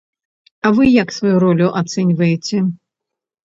А вы як сваю ролю ацэньваеце?